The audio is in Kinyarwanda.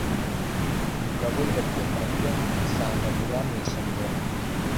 Mugabo yabwiye Mariya kumusanganira mu isomero.